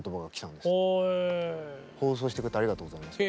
「放送してくれてありがとうございます」。